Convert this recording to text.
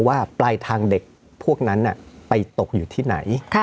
ปลายทางเด็กพวกนั้นไปตกอยู่ที่ไหน